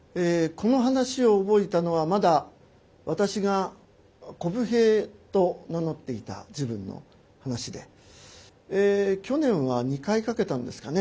この噺を覚えたのはまだ私がこぶ平と名乗っていた時分の話で去年は２回かけたんですかね。